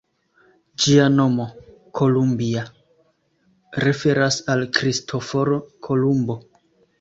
Ĝia nomo, ""Columbia"", referas al Kristoforo Kolumbo.